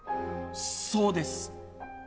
そうです。